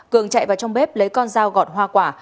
cường chạy vào trong bếp lấy con dao gọt hoa quả